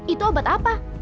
itu obat apa